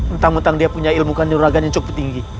entang entang dia punya ilmu kandung raga yang cukup tinggi